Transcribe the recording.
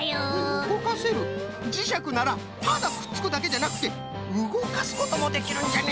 うごかせるじしゃくならただくっつくだけじゃなくてうごかすこともできるんじゃね。